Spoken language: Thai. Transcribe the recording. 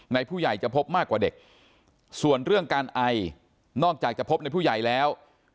ผู้ใหญ่จะพบมากกว่าเด็กส่วนเรื่องการไอนอกจากจะพบในผู้ใหญ่แล้ว